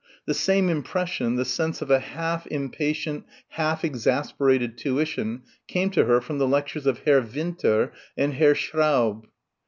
The same impression, the sense of a half impatient, half exasperated tuition came to her from the lectures of Herr Winter and Herr Schraub.